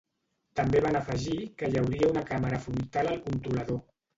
També van afegir que hi hauria una càmera frontal al controlador.